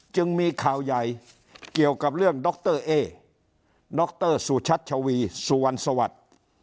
จึงมีข่าวใหญ่เกี่ยวกับเรื่องดรเอ๊ดรสุชัชวีสุวรรณสวัสดิ์